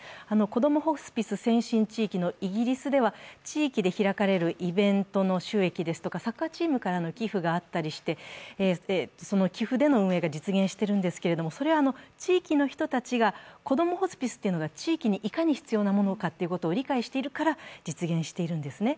こどもホスピス先進地域のイギリスでは、地域で開かれるイベントの収益ですとかサッカーチームからの寄付があったりしてその寄付での運営が実現しているんですけれどもそれは地域の人たちがこどもホスピスが地域にいかに必要かということを理解しているから、実現しているんですね。